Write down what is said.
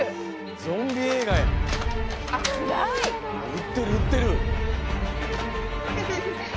うってるうってる。